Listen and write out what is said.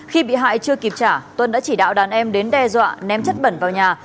khi bị hại chưa kịp trả tuân đã chỉ đạo đàn em đến đe dọa ném chất bẩn vào nhà